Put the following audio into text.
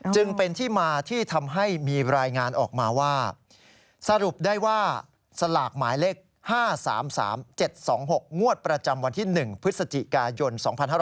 จึงเป็นที่มาที่ทำให้มีรายงานออกมาว่าสรุปได้ว่าสลากหมายเลข๕๓๓๗๒๖งวดประจำวันที่๑พฤศจิกายน๒๕๕๙